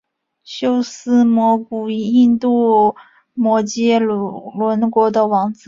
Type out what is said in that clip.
修私摩古印度摩揭陀国的王子。